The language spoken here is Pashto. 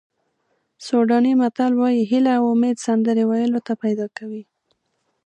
سوډاني متل وایي هیله او امید سندرې ویلو ته پیدا کوي.